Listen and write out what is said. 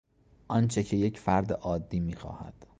آنچه که یک فرد عادی میخواهد